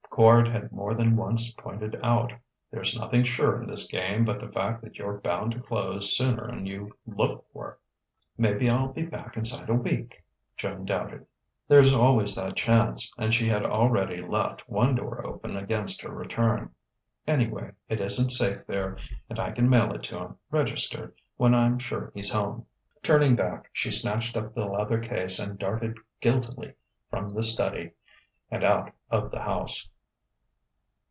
Quard had more than once pointed out: "There's nothing sure in this game but the fact that you're bound to close sooner 'n you looked for." "Maybe I'll be back inside a week," Joan doubted. There was always that chance; and she had already left one door open against her return. "Anyway, it isn't safe, there. And I can mail it to him, registered, when I'm sure he's home." Turning back, she snatched up the leather case and darted guiltily from the study and out of the house.